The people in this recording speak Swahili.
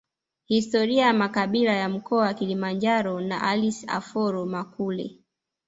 Historia ya makabila ya mkoa wa Kilimanjaro na Alice Oforo Makule